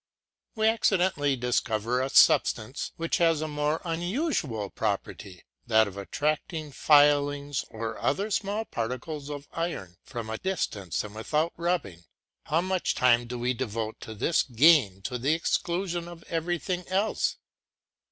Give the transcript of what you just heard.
We accidentally discover a substance which has a more unusual property, that of attracting filings or other small particles of iron from a distance and without rubbing. How much time do we devote to this game to the exclusion of everything else!